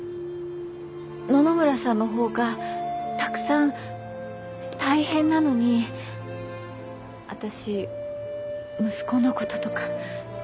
野々村さんの方がたくさん大変なのに私息子のこととか愚痴ったりして。